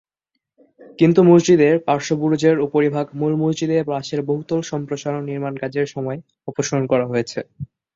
কিন্তু মসজিদের পার্শ্ববুরুজের উপরিভাগ মূল মসজিদের পাশের বহুতল সম্প্রসারণ নিমার্ণকাজের সময় অপসারণ করা হয়েছে।